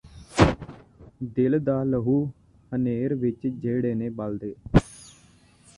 ਦਿਲ ਦਾ ਲਹੂ ਹਨੇਰ ਵਿਚ ਜਿਹੜੇ ਨੇ ਬਾਲਦੇ